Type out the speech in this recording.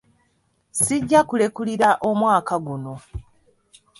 Sijja kulekulira omwaka guno.